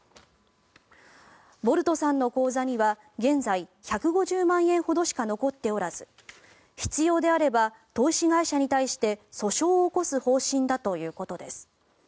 ボルトさんの口座には現在、１５０万円ほどしか残っておらず必要であれば投資会社に対して訴訟を起こす方針だということです。